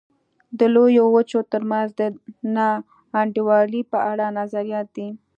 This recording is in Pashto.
د لویو وچو ترمنځ د نا انډولۍ په اړه نظریات دي.